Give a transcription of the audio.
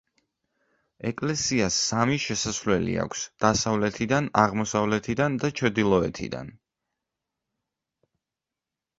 ეკლესიას სამი შესასვლელი აქვს: დასავლეთიდან, აღმოსავლეთიდან და ჩრდილოეთიდან.